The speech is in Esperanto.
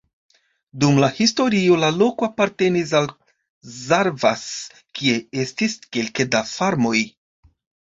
Dum la historio la loko apartenis al Szarvas, kie estis kelke da farmoj.